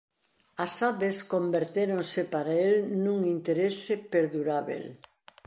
As aves convertéronse para el nun interese perdurábel.